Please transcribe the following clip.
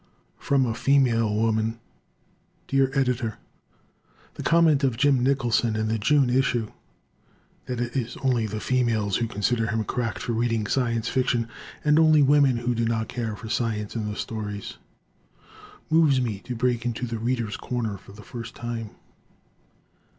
From a "Female Woman" Dear Editor: The comment of Jim Nicholson in the June issue that it is only "the females" who consider him "cracked" for reading Science Fiction, and only women who do not care for science in the stories, moves me to break into "The Readers' Corner" for the first time.